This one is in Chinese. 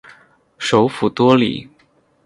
首府多里。